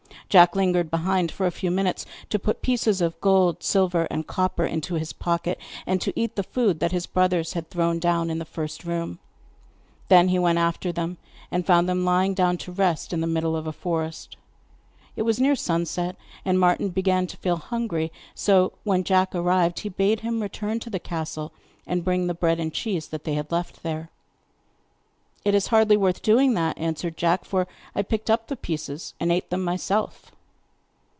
Jack lingered behind for a few minutes to put pieces of gold, silver, and copper into his pocket, and to eat the food that his brothers had thrown down in the first room. Then he went after them, and found them lying down to rest in the midst of a forest. It was near sunset, and Martin began to feel hungry, so, when Jack arrived, he bade him return to the castle and bring the bread and cheese that they had left there. 'It is hardly worth doing that,' answered Jack; 'for I picked up the pieces and ate them myself.